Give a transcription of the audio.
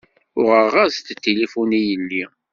Uɣeɣ-as-d tilifun i yelli.